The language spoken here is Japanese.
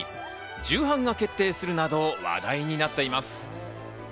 重版が決定するなど話題になっています。